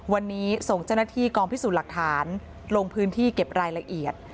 วันนี้ส่งเจ้าหน้าที่กองพิสูจน์หลักฐานลงพื้นที่เก็บรายละเอียด